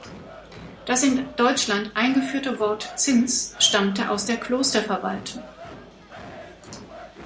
Das in Deutschland eingeführte Wort Zins stammte aus der Klosterverwaltung.